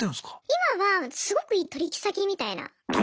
今はすごくいい取引先みたいな。